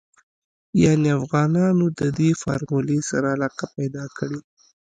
يانې افغانانو ددې فارمولې سره علاقه پيدا کړې.